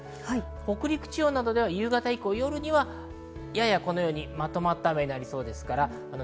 北陸地方などでは夕方以降、夜にはややまとまった雨になりそうです。